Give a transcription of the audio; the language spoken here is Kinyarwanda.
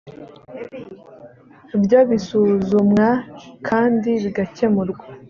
byo bisuzumwa kandi bigakemurwa